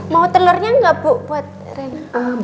mau telurnya gak bu buat rini